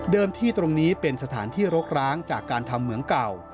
ที่ตรงนี้เป็นสถานที่รกร้างจากการทำเหมืองเก่า